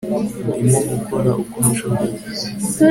ndimo gukora uko nshoboye